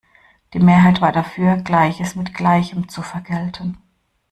Die Mehrheit war dafür, Gleiches mit Gleichem zu vergelten.